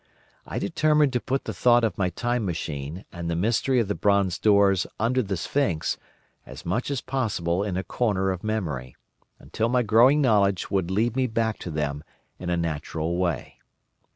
I determined to put the thought of my Time Machine and the mystery of the bronze doors under the sphinx, as much as possible in a corner of memory, until my growing knowledge would lead me back to them in a natural way.